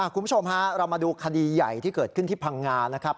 คุณผู้ชมฮะเรามาดูคดีใหญ่ที่เกิดขึ้นที่พังงานะครับ